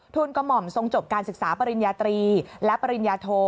กระหม่อมทรงจบการศึกษาปริญญาตรีและปริญญาโท